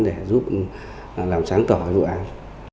để giúp làm sáng tỏ vụ án